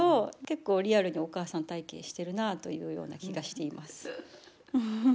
結構リアルにお母さん体験してるなというような気がしています。